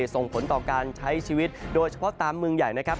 ส่งผลต่อการใช้ชีวิตโดยเฉพาะตามเมืองใหญ่นะครับ